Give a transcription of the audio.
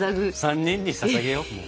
３人にささげようもう。